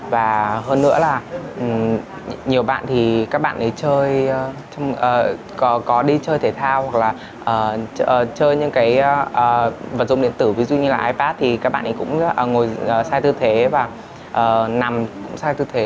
và hơn nữa là nhiều bạn thì các bạn ấy chơi có đi chơi thể thao hoặc là chơi những cái vật dụng điện tử ví dụ như là ipad thì các bạn ấy cũng ngồi sai tư thế và nằm sai tư thế